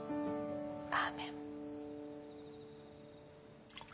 アーメン。